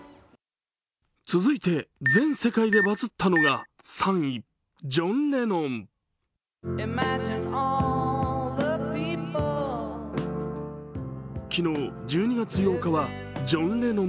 続いて、全世界でバズったのが３位、ジョン・レノン。